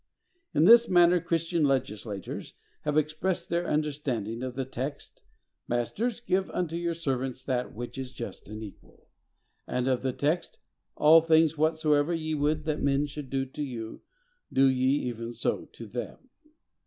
In this manner Christian legislators have expressed their understanding of the text, "Masters, give unto your servants that which is just and equal," and of the text, "All things whatsoever ye would that men should do to you, do ye even so to them."